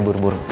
gak ada keren